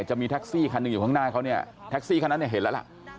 จะมีแท็กซี่คันหนึ่งอยู่ข้างหน้าเขาเนี่ยแท็กซี่คันนั้นเนี่ยเห็นแล้วล่ะ